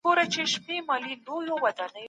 نور مه غولوه چي په خپله ونه غولیږې.